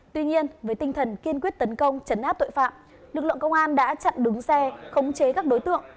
tuy nhiên với tinh thần kiên quyết tấn công chấn áp tội phạm lực lượng công an đã chặn đứng xe khống chế các đối tượng